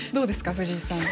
藤井さん。